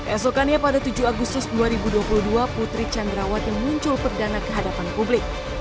esokannya pada tujuh agustus dua ribu dua puluh dua putri cendrawat yang muncul perdana kehadapan publik